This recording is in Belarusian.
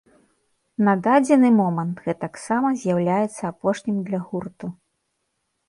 На дадзены момант гэтаксама з'яўляецца апошнім для гурту.